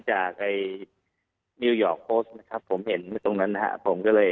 อ๋อใช่ครับใช่ครับ